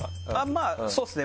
まぁそうですね